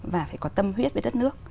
và phải có tâm huyết với đất nước